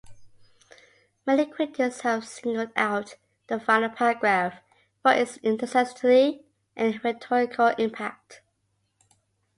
Many critics have singled out the final paragraph for its intensity and rhetorical impact.